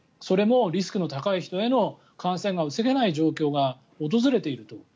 それもリスクの高い人への感染が防げない状況が訪れていると。